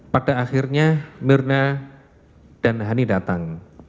pada akhirnya mirna dan hani datang